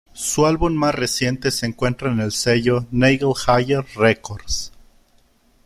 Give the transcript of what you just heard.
Su álbum más reciente se encuentra en el sello Nagel-Heyer Records.